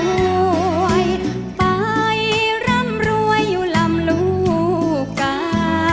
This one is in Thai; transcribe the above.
รวยไปรำรวยอยู่ลำรูกกัน